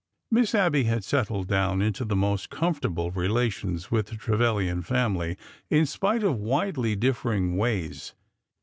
Miss Abby had settled down into the most comfortable relations with the Trevilian family, in spite of widely differing ways.